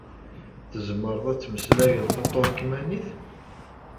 Tzemreḍ ad tmeslayeḍ taṭurkmanit?